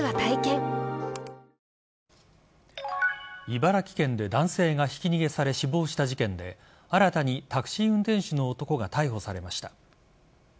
茨城県で男性がひき逃げされ死亡した事件で新たにタクシー運転手の男が逮捕されました。